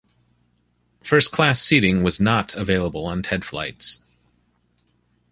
First class seating was not available on Ted flights.